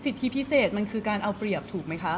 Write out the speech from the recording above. ที่พิเศษมันคือการเอาเปรียบถูกไหมคะ